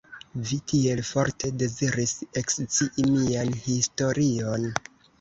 Vi tiel forte deziris ekscii mian historion.